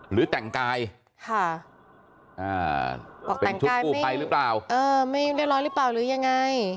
หรือแต่งกายค่ะอ่าบอกแต่งชุดกู้ภัยหรือเปล่าเออไม่เรียบร้อยหรือเปล่าหรือยังไง